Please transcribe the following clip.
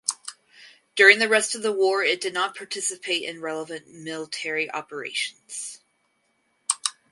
During the rest of the war it did not participate in relevant military operations.